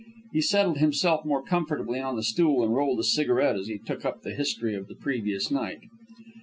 He settled himself more comfortably on the stool, and rolled a cigarette as he took up the history of the previous night.